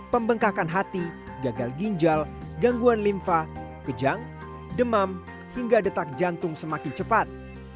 pembengkakan hati gagal ginjal gangguan limfa kejang demam hingga detak jantung semakin cepat